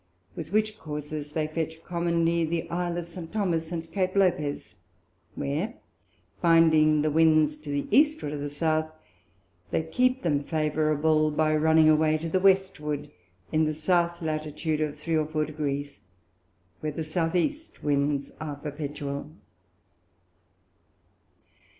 with which Courses they fetch commonly the Isle of St. Thomas and Cape Lopez, where finding the Winds to the Eastward of the South, they keep them favourable, by running away to the Westward in the South Latitude, of three or four Degrees, where the S. E. Winds are perpetual.